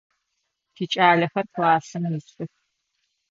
Тикӏалэхэр классым исых.